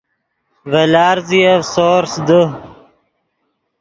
ڤے لارزیف سورس دے